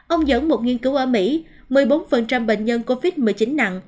ông dẫn một nghiên cứu ở mỹ một mươi bốn bệnh nhân covid một mươi chín nặng